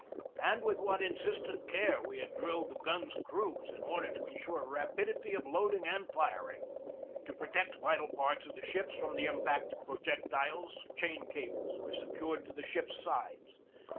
And with what insistent care we had drilled the guns' crews in order to insure rapidity of loading and firing! To protect vital parts of the ships from the impact of projectiles, chain cables were secured to the ship's sides.